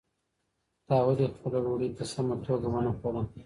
تا ولې خپله ډوډۍ په سمه توګه ونه خوړه؟